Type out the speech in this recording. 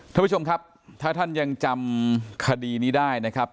ท่านผู้ชมครับถ้าท่านยังจำคดีนี้ได้นะครับ